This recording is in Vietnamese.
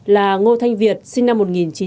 là ngô thanh việt sinh năm một nghìn chín trăm tám mươi